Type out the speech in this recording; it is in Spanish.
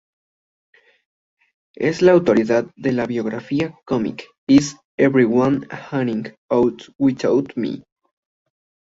Es la autora de la biografía comic "Is Everyone Hanging Out Without Me?